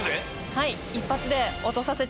はい。